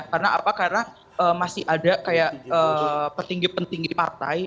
karena apa karena masih ada kayak petinggi petinggi partai